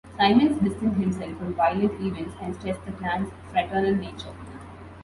Simmons distanced himself from violent events and stressed the Klan's fraternal nature.